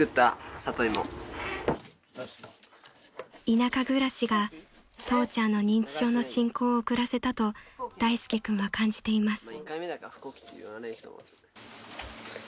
［田舎暮らしが父ちゃんの認知症の進行を遅らせたと大介君は感じています］